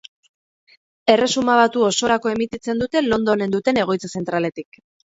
Erresuma Batu osorako emititzen dute Londonen duten egoitza zentraletik.